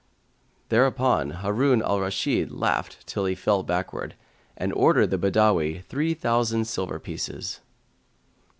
'"[FN#143] thereupon Harun al Rashid laughed till he fell backward, and ordered the Badawi three thousand silver pieces.